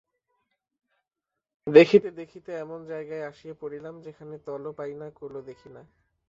দেখিতে দেখিতে এমন জায়গায় আসিয়া পড়িলাম যেখানে তলও পাই না, কূলও দেখি না।